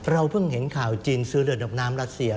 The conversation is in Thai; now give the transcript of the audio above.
เพิ่งเห็นข่าวจีนซื้อเรือดำน้ำรัสเซีย